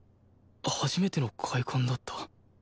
初めての快感だった